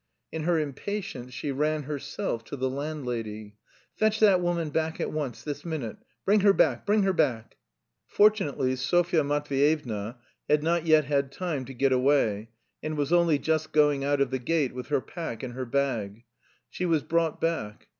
In her impatience she ran herself to the landlady. "Fetch that woman back at once, this minute. Bring her back, bring her back!" Fortunately Sofya Matveyevna had not yet had time to get away and was only just going out of the gate with her pack and her bag. She was brought back.